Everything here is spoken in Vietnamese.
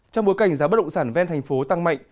trong bối cảnh giá bất động sản ven thành phố tăng mạnh